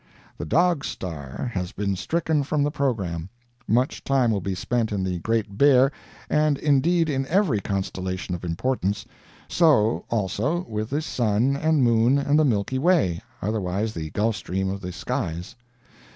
THE DOG STAR has been stricken from the program. Much time will be spent in the Great Bear, and, indeed, in every constellation of importance. So, also, with the Sun and Moon and the Milky Way, otherwise the Gulf Stream of the Skies.